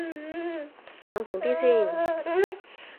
冷靜啲先